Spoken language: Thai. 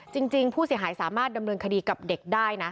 จริงผู้เสียหายสามารถดำเนินคดีกับเด็กได้นะ